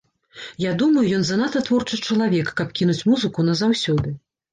Я думаю, ён занадта творчы чалавек, каб кінуць музыку назаўсёды.